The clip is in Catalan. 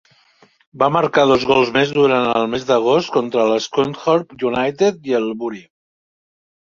Va marcar dos gols més durant el mes d'agost contra l'Scunthorpe United i el Bury.